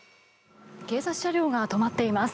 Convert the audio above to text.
警察車両が止まっています。